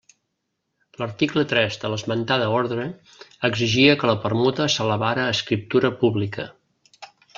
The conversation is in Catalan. L'article tres de l'esmentada ordre exigia que la permuta s'elevara a escriptura pública.